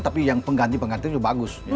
tapi yang pengganti pengganti sudah bagus